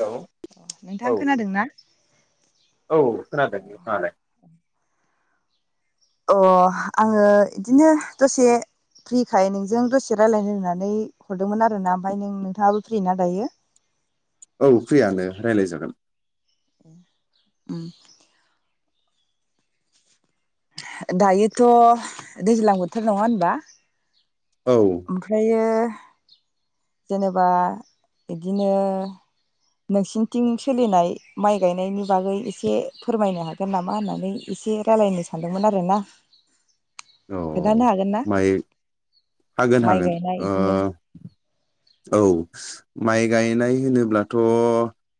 Hello नोंथां औ खोनादों ना? औ खोनादों खोनादों। अ आङो इदिनो दसे फ्रिखाय नोंजों दसे रायलायनो होननानै हरदोंमोन आरोना ओमफाय नों नोंथाङाबो फ्रि ना दायो? औ फ्रियानो रायलाय जागोन उम। दायोथ' दैज्लां बोथोर नङा होनबा? औ ओमफ्रायो जेनेबा बिदिनो नोंसिनिथिं सोलिनाय माइ गायनायनि बागै एसे फोरमायनो हागोन नामा होननानै एसे रायलायनो सान्दोंमोन आरोना? औ खोन्थानो हागोन ना माय हागोन माइ हागोन। गायनाय ओ इदिनो औ माइ गायनाय होनोब्लाथ'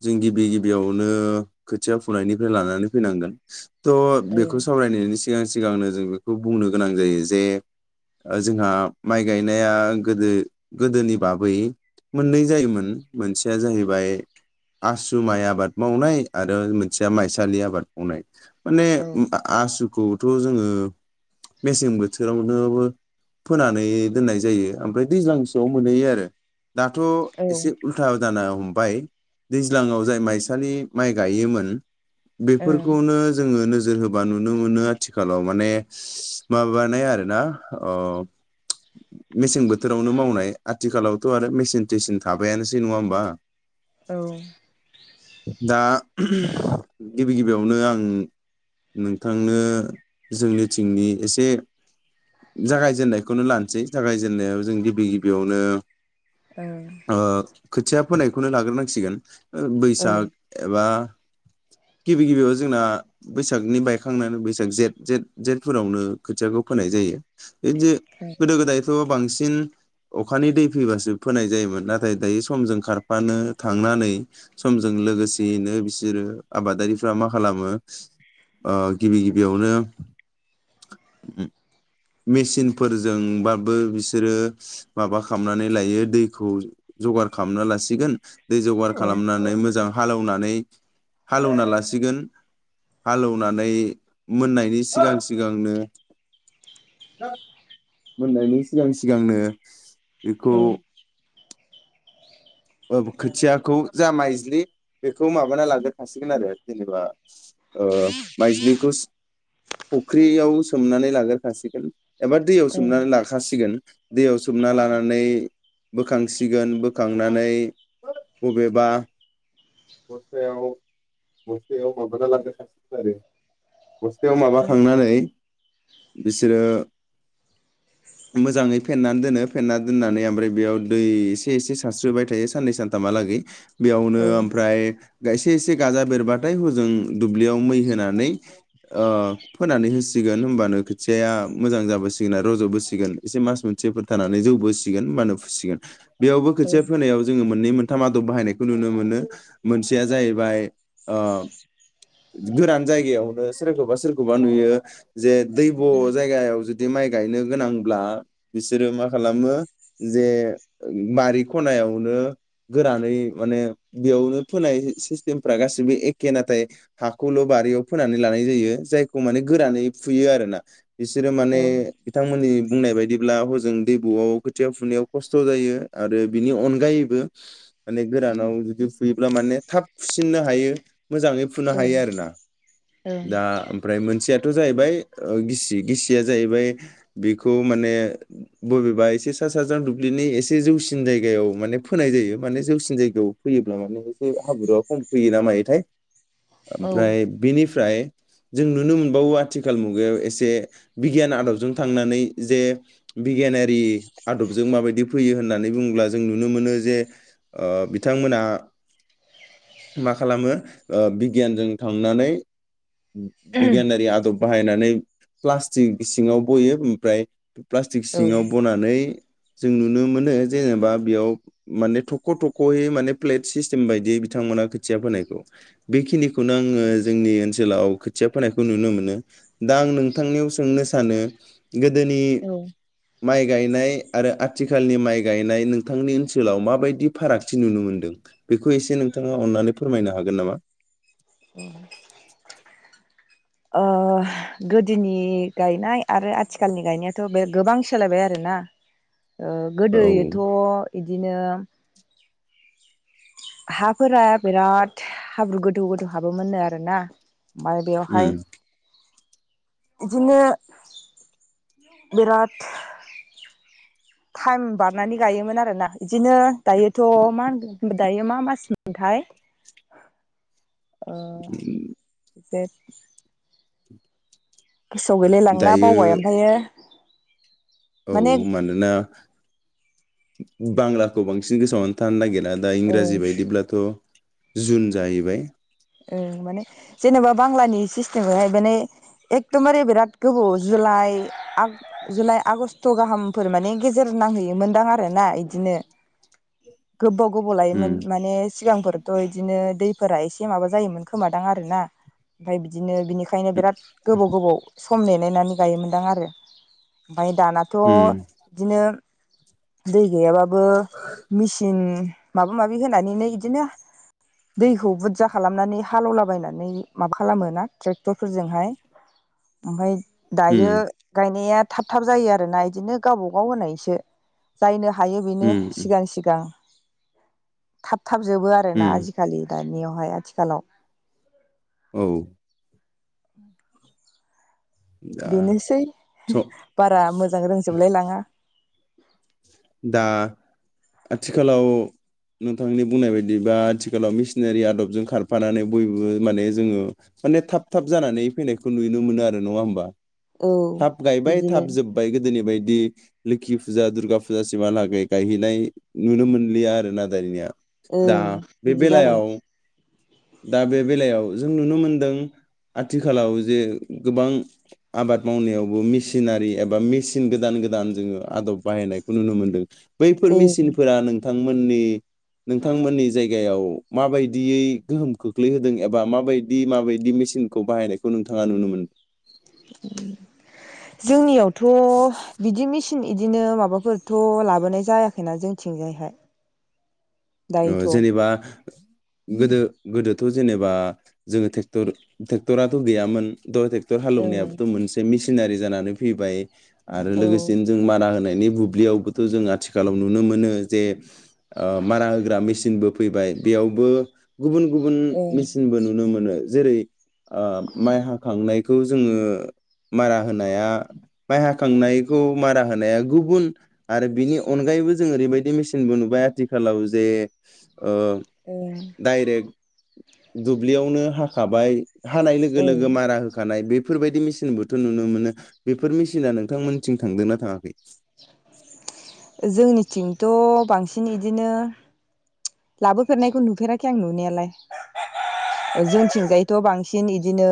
जों गिबि गिबियावनो खोथिया फुनायनिफ्राय लानानै फैनांगोन। थ' औ बेखौ सावरायनायनि सिगां सिगांनो जों बेखौ बुंनो गोनां जायो जे जोंहा माइ गायनाया गो गोदोनि बाबै मोननै जायोमोन मोनसेया जाहैबाय आसु माइ आबाद मावनाय आरो मोनसेया माइसालि आबाद मावनाय। माने औ आ-आसु खौथ' जोङो मेसें बोथोरावनो फोनानै दोननाय जायो ओमफ्राय दैज्लांसोआव मोनहैयो आरो [unintelligible] दाथ' औ ओ एसे उल्था जाना हमबाय दैज्लाङाव जाय माइसालि माइ गायोमोन। औ बेफोरखौनो जोङो नो नोजोर होबा नुनो मोनो आथिखालाव माने माबानाय आरोना मेसें बोथोरावनो मावनाय आथिखालावथ' आरो मेसिन थेसिन थाबायानोसै नङा होमबा? औ दा गिबि गिबियावनो आं नोंथांनो जोंनिथिंनि एसे जागायजेननायखौनो लानोसै जागायजेनन्नायाव जों गिबि गिबियावनो ओ खोथिया फोनायखौनो लाग्रोनांसिगोन ओ औ बैसाग एबा गिबि गिबियाव जोंना बैसागनि बायखांनानै बैसाग जे जे जेथफोरावनो खोथियाखौ फोनाय जायो। बिदि गोदो गोदाय बांसिन अखानि दै फैबासो फैनाय जायोमोन नाथाय दायैसम जों खारफानो थांनानै समजों लोगोसेयैनो बिसोरो आबादारिफ्रा मा खालामो गिबि गिबियावनो मेसिनफोरजोंबाबो बिसोरो माबा खालामनानै लायो दैखौ जगार खालामना लासिगोन। दै जगार औ खालामनानै मोजां हालौनानै हालौना लासिगोन हालौवनानै मोननायनि सिगां सिगांनो मोननायनि सिगां सिगांनो बेखौ औ ओ खोथियाखौ जा माइज्लि बेखौ माबाना लागोरखासिगोन आरो जेनेबा ओ माइज्लिखौ फुख्रियाव सोमनानै लाग्रोखासिगोन एबा दैयाव औ सोमनानै लाखासिगोन दैयाव सोमना लानानै बोखांसिगोन बोखांनानै बबेबा बसथायाव बसथायाव माबाना लांसिगोन आरो बस्थायाव माबाखांनानै बिसोरो मोजाङै फेनानै दोनो फेना दोननानै ओमफ्राय बेयाव दै एसे एसे सानस्रोबाय थायो साननै सानथामहालागै। बेयावनो औ ओमफ्राय एसे एसे गाजा बेरबाथाय हजों दुब्लियाव मै होनानै अ फोनानै होसि गोन होमब्लानो खोथिाया मोजां जाबोसिगोन आरो रज'बोसिगोन एसे मास मोनसेफोर थानानै जौबो सिगोन होमबानो फुसिगोन। बेयावबो खोथिया फोनायाव जोङो मोननै मो थाम आदब बाहायनायखौ नुनो मोनो मोनसेया जाहैबाय आ गोरान जायगायावनो सोरखौबा सोरखौबा नुयो जे दैब' जायगायाव जु जुदि माइ गायनो गोनांब्ला बिसोरो मा खालामो जे बारि खनायावनो गोरानै माने बेयावनो फोनाय सिस्टेमफ्रा गाससिबो एखे नाथाय हाखौल' बारियाव फोनानै लानाय जायो जायखौ माने गोरानै फुयो आरोना। बिसोरो औ माने बिथांमोननि बुंनाय बायदिब्ला हजों दैबुआव खोथियाव फुनायाव खस्थ' जायो आरो बिनि अनगायैबो माने गोरानाव जुदि फुयोब्ला माने थाब फुसिननो हायो। मोजाङै फुनो हायो आरोना औ दा ओमफ्राय मोनसेया बेथजाहैबाय गिसि गिसिया जाहैबाय बेखौ माने बबेबा एसे सा साज्रां दुब्लिनि एसे जौसिन जायगायाव माने फोनाय जायो माने जौसिन जायगायाव फैयोब्ला माने एसे हाब्रुवा खम फैयो ना मायोथाय ओमफ्राय बिनि फ्राइ जों नुनो मोनबावो आथिखाल मुगायाव एसे बिगियान आदबजों थांनानै जे बिगियानारि आदबजों माबायदि फैयो होननानै बुंङोब्ला जों नुनो मोनो जे अ बिथांमोनहा मा खालामो ओ बिगियानजों थांनानै बिगानारि आदब बाहायनानै प्लास्टिक सिङाव बयो ओमफ्राय प्लास्टिक सिङाव बनानै जों नुनो मोनो जेनेबा बेयाव माने थख थखयै माने प्लेट सिस्टेम बायदियै बिथांमोना खोथिया फोनायखौ बेखिनिखौ खौनो आंङो जोंनि ओनसोलाव खोथिया फोनायखौ नुनो मोनो दा आं नों थांनियाव सोंनो सानो गोदोनि माइ गायनाय आरो आथिखालनि माइ गायनाय नोंथांनि ओनसोलाव माबायदि फारागथि नुनो मोनदों? बेखौ एसे नोंथाङा अन्नानै फोरमायनो हागोन नामा? अ गोदोनि गायनाय आरो आथिखालनि गायनायाथ बे गोबां सोलायबाय आरोना। औ गोदोयैथ इदिनो हाफोरा बिराद हाब्रु गोदौ गोदौ हाबो मोननो आरोना। ओमफ्राय उम बेवहाय बिदिनो बिराद टाइम बारनानै गायोमोन आरोना बिदिनो दायोथ मा होन दायो मा मास मोनथाय ओ बे गोसोआव गैलायलांला बावबाय दायो ओमफ्रायो। औ माने मानोना बांलाखौ बांसिन गोसोआव थानो नागिरा। दा ओ इंराजि बायदिब्लाथ' जुन जाहैबाय। ओं माने जेनेबा बांलानि सिस्टेमखौहाय माने एकदमबारे बिराद गोबाव जुलाइ जुलाइ आगष्ट गाहामफोर माने गेजेर नांहैयोमोनदां आरोना बिदिनो गोबाव गोबाव लायोमोन उम माने सिगांफोर थ इदिनो दैफोरा एसे बे माबा जायोमोन खोमादां आरोना ओमफ्राय बिदिनो बिनिखायनो बिराद गोबाव गोबाव सम नेनायनानै गायोमोनदां आरो। ओमफ्राय दानाथ' उम बिदिनो दै गैयाबा बो मेसिन माबा माबि होनानैनो बिदिनो दैखौ बुरजा खालामनानै हालेवलाबायनानै माबा खालामोना ट्रेक्टरफोरजोंहाय ओमफ्राय दायो उम गायनाया थाब थाब जायो आरोना बिदिनो गावब गाव होनायसो जायनो हायो बेनो उम सिगां सिगां थाब थाब जजोबो आर ना उम आजिखालि दानियाव हाया आथिखालाव। औ। अ [unintelligible] दा बेनोसै स' बारा मोजां रोंजोबलाय लाङा। दा आथिखालाव नोंथांनि बुंनाय बायदिबा आथिखालाव मेसिनारि आदबजों खारफानानै बयबो माने जोङो माने थाब थाब जानानै फैनायखौ नुनो मोनो आरो नङा होमबा। औ थाब गायबाय बिदिनो थाब जोब्बाय गोदोनि बायदि लोखि फुजा दुरगा फुजासेमहालागै गायहैनाय नुनो मोनलिया आरो ना दानिनिया ओं दा बे बिदि जाबाय बेलायाव दा बे बेलायाव जों नुनो मोनदों आथिखालाव जे गोबां आबाद मावनायावबो मिेसिनारि एबा मेसिन गोदान गोदान जोङो आदब बाहायनाय खौ नुनो मोन्दों। बैफोर ओं मेसिनफोरा नों बिथांमोननि नोंथांमोननि जायगायाव माबायदियै गोहोम खोख्लैहोदों एबा माबायदि माबायदि मेसिनखौ बाहायनायखौ नोंथाङा नुनो मोनदों? जोंनियावथ' बिदि मिसि न बिदिनो माबाफोरथ' लाबोनाय जायाखैना जोंथिंजायहाय ओ दायोथ' जेनेबा गोदो गोदोथ' जेनेबा जोङोेटर ट्रेक्टराथ' गैयामोन द' ट्रेक्टर ओं हालौवनायाबो' मोनसे मिसिन सिनारि जानानै फैबाय आरो औ लोगोसेनो जों मारा होनाय बे बुब्लिआवबोथ जोंहा आथिखालाव नुनो मोनो जे ओ मारा होग्रा मेसिनबो फैबाय बेयावबो गुबुन गुबुन ओं मेसिनबो नुनो मोनो जेरै ओ माइ हाखांनायखौ जोङो मारा होनाया माइ हाखांनायखौ मारा होनाया गुबुन आरो बिनि अनगायैबो जों ओरैबायदि मेसिनबो नुबाय आथिखालाव जे ओ ओं डाइरेक्ट दुब्लियावनो हाखाबाय। हानाय लोगो ओं लोगो मारा होखानाय बिब बेफोरबायदि मेसिन बोथोर नुनोमोनो बेफोर मेसिना नोंथांमोनथिं थांदोंनाा थाङाखै? जोंनि थिंथ' बांसिन इदिनो लाबोफेरनायखौ नुफेराखै आं नुनायालाय जोंथिंजायथ' बांसिन इदिनो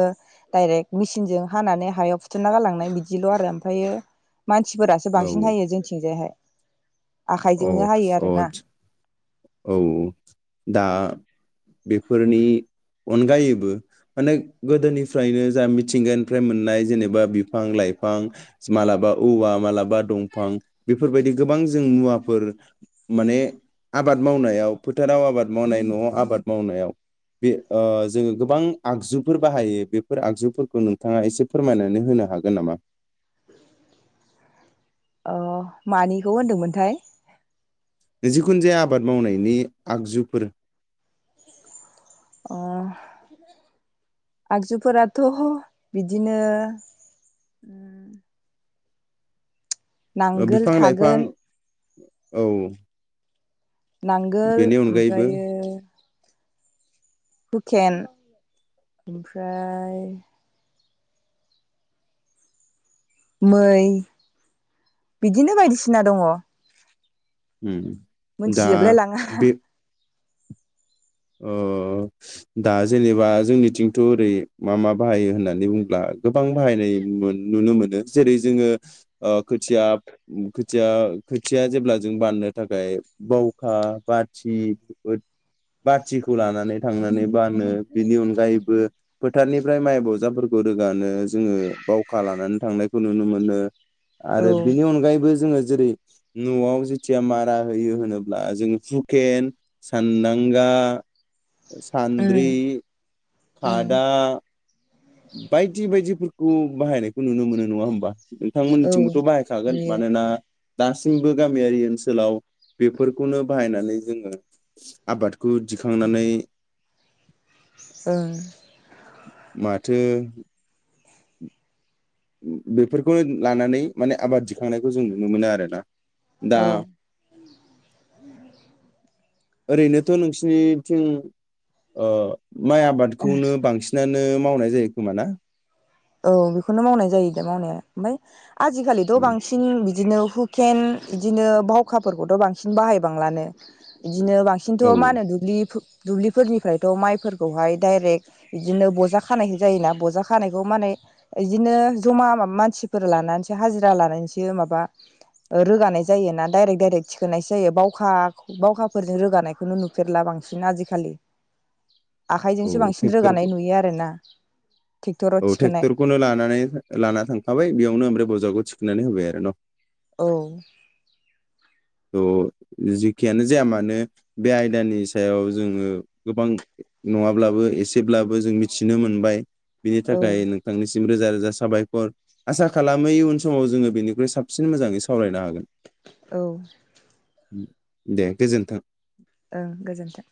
डायरेक्ट मेचिनजों हानानै हायाव फुथुमना गालांनाय बिदिल' आरो ओमफ्रायो। मानसिफोरासो औ बांसिन हायो जोंथिंजायहाय। अ आखाइजोंनो हायो अ आरो ना। औ दा बेफोरनि अनगायैबो माने गोदोनिफ्रायनो जा मिथिंगानिफ्राय मोननाय जेनेबा बिफां लाइफां मालाबा औवा मालाबा दंफां बेफोरबायदि गोबां जों मुवाफोर माने। आबाद मावनायाव फोथाराव आबाद मावनाय न'आव आबाद मावनायाव बे जोङो गोबां आगजुफोर बाहायो बेफोर आगजुफोरखौ नोंथाङा एसे फोरमायनानै होनो हागोन नामा? अ मानिखौ होनदोंमोनथाय? जिखुनु जाया आबाद मावनायनि आगजुफोर। अ आगजुफोराथ' बिदिनो उम। ओ बिफां-लाइफां। थागोन औ। नांगोल बेनि अनगायैबो ओमफ्रायो, हुकेन ओमफ्राय। मै बिदिनो बायदिसिना दङ। उम। दा मोनथिजोबलाय लाङा। बे ओ दा जेनेबा जोंनिथिंथ' ओरै मा मा बाहायो होननानै बुंब्ला गोबां बाहायनाय मोन नुनो मोनो। जेरै जोङो ओ खोथिया खोथिया खोथिया जेब्ला जों बाननो थाखाय बावखा बाथि बोद बाथिखौ लानानै थांनानै बानो। बिनि अनगायैबो फोथारनिफ्राय माइ बजाफोरखौ रोगानो जोङो बावखा लानानै थांनायखौ नुनो मोनो। औ आरो बिनि अनगायैबो जोङो जेरै न'आव जेथिया मारा होयो होनोब्ला जोङो हुकेन सानदां ओंगा ओ उम सान्द्रि उम खादा बायदि बायदिफोरखौ बाहायनायखौ नुनो मोनो नङा होनबा? औ बिथांमोननिथिंबोथ' बाहायखागोन नुयो मानोना दासिमबो गामियारि ओनसोलाव बेफोर खौनो बाहायनानै जोङो आबादखौ दिखांनानै ओं मा थो उम बेफोरखौनो लानानै माने आबाद थिखांनायखौ जों नुनो मोनो आरो ना दा। औ ओरैनोथ' नोंसिनिथिं ओ माइ आबादखौनो बांसिनानो मावनाय जायो खोमा ना? औ बेखौनो मावनाय जायो दा मावनाया ओमफाय आजिखालिथ' बांसिन बिद दिनो हुकेेन बिदिनो बावखाफोरखौथ' बांसिन बाहायबांलानो। दिनो बांसिनथ' औ मा होनो दुब्लि फो दुब्लिफोरनिफ्रायथ' माइफोरखौहाय दायरेक इदिनो बजा खानाय जायोना बजा खानायखौ माने इदिनो ज'मा मा मानसिफोर लानानैसो हाजिरा लानानैसो माबा ओ रोगानाय जायोना दायरेक दायरेक थिखोनायसो जायो बावखा बावखाफोरजों रोगानायखौनो नुफेरला बांसिन आजिखालि। आखाय औ जोंसो बांसिन ट्रेक्टर रोगानाय नुयो आरोना। टेक्टराव थिखोनाय खौनो लानानै लाना थांखाबाय बेयावनो ओमफ्राय बजाखौ थिखनानै होबाय आरो न'। औ औ ओ जेखियानो जाया मानो बे आयदानि सायाव जोङो गोबां नङाब्लाबो एसेब्लाबो जों मिथिनो मोनबाय। बिनि औ थाखाय नोंथांनिसि सिम रोजा रोजा साबायखर आसा खालामो इयुन समाव जोङो बेनिख्रुइ साबसिन मोजाङै सावरायनो हागोन। औ दे गोजोनथों। ओं गोजोन्थों।